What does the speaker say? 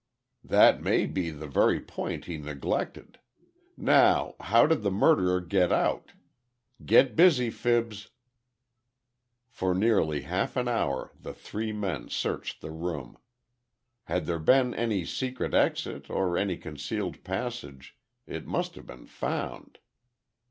"That may be the very point he neglected. Now, how did the murderer get out? Get busy, Fibs." For nearly half an hour, the three men searched the room. Had there been any secret exit, or any concealed passage, it must have been found.